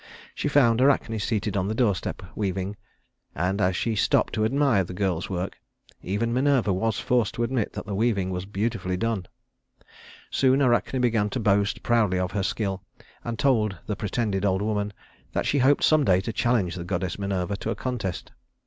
She found Arachne seated on the doorstep, weaving; and as she stopped to admire the girl's work, even Minerva was forced to admit that the weaving was beautifully done. Soon Arachne began to boast proudly of her skill and told the pretended old woman that she hoped some day to challenge the goddess Minerva to a contest.